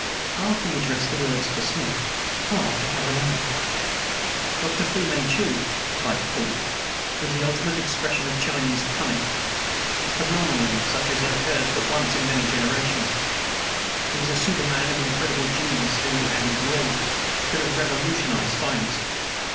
Half he addressed the words to Smith, half to Karamaneh. "Dr. Fu Manchu," replied the former, "was the ultimate expression of Chinese cunning; a phenomenon such as occurs but once in many generations. He was a superman of incredible genius, who, had he willed, could have revolutionized science.